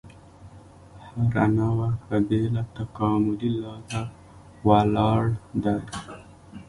هره نوعه په بېله تکاملي لاره ولاړ دی.